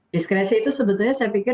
diskresi itu sebetulnya saya pikir